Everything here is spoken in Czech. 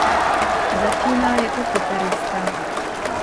Začínal jako kytarista.